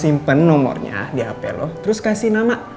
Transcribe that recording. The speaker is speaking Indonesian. simpen nomornya di hape lo terus kasih nama